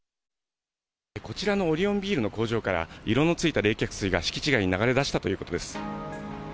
こちらのオリオンビールの工場から、色のついた冷却水が敷地外に流れ出したということです。